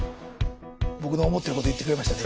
僕の思ってること言ってくれましたね